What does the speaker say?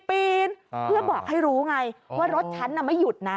ปีนเพื่อบอกให้รู้ไงว่ารถฉันน่ะไม่หยุดนะ